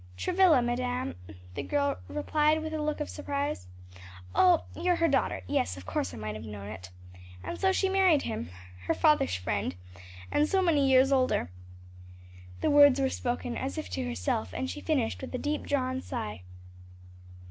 "Travilla, madam," the little girl replied, with a look of surprise. "Oh, you're her daughter; yes, of course I might have known it. And so she married him, her father's friend and so many years older." The words were spoken as if to herself and she finished with a deep drawn sigh.